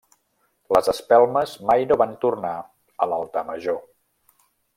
Les espelmes mai no van tornar a l'altar major.